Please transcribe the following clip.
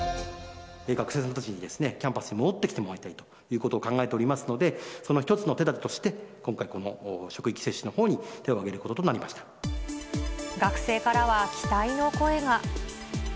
学生さんたちに、キャンパスに戻ってきてもらいたいということを考えておりますので、その一つの手だてとして、今回、この職域接種のほうに手を学生からは期待の声が。